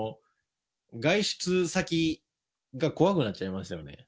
外出先が怖くなっちゃいましたよね。